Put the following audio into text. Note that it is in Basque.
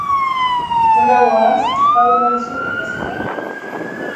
Nora goaz, Paul maisu gaztea?